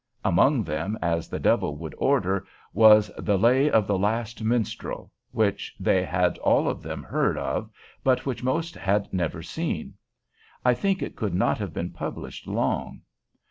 Among them, as the Devil would order, was the "Lay of the Last Minstrel," [Note 7] which they had all of them heard of, but which most of them had never seen. I think it could not have been published long.